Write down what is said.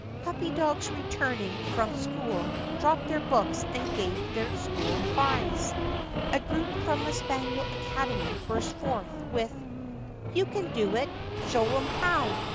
Puppy dogs returning from school dropped their books and gave their school cries. A group from the Spaniel Academy burst forth with : "You can do it ! Show 'em how !